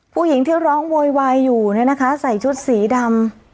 ผู้หญิงที่ร้องโวยวายอยู่เนี่ยนะคะใส่ชุดสีดำ